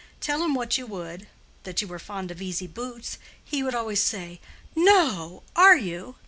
Tell him what you would—that you were fond of easy boots—he would always say, "No! are you?"